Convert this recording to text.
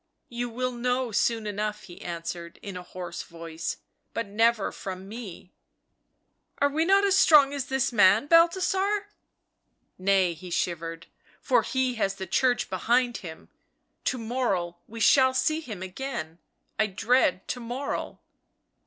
"You will know soon enough," he answered in a hoarse voice. " But never from me." " Are we not as strong as this man, Balthasar !"" Nay," he shivered, " for he has the Church behind him — to morrow, we shall see him again — I dread to morrow."